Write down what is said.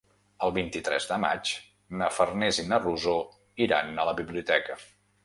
El vint-i-tres de maig na Farners i na Rosó iran a la biblioteca.